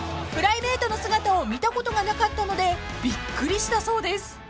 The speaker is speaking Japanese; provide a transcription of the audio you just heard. ［プライベートの姿を見たことがなかったのでびっくりしたそうです］